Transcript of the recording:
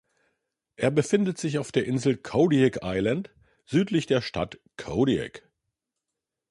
Er befindet sich auf der Insel Kodiak Island südlich der Stadt Kodiak.